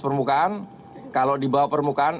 permukaan kalau di bawah permukaan